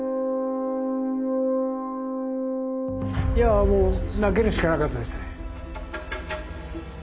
いやもう泣けるしかなかったですね。